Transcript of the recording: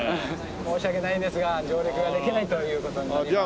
申し訳ないですが上陸ができないという事になります。